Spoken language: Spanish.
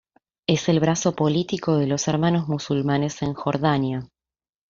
Es el brazo político de los Hermanos Musulmanes en Jordania.